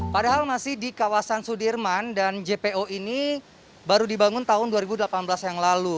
padahal masih di kawasan sudirman dan jpo ini baru dibangun tahun dua ribu delapan belas yang lalu